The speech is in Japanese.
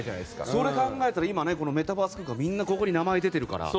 それを考えたらメタバース空間はみんな名前出てるから。